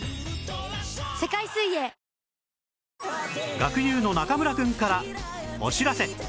学友の中村くんからお知らせ